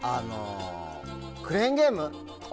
クレーンゲーム。